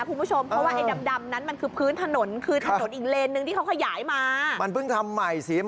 ไม่ใช่ตั้งแต่ตรงแบรีเออร์ส้มนะ